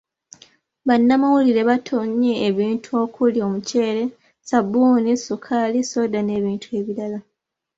Bannamawulire batonye ebintu okuli; Omuceere, Ssabbuuni, ssukaali, ssooda n'ebintu ebirala .